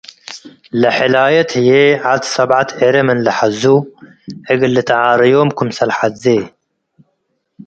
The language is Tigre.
ለሕላየት ህይ ዐድ ሰብዐት ዕሬ ምን ሐዙ፡ እግል ልትዓረዮም ክምሰል ሐዜ።